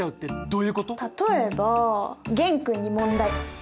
例えば玄君に問題。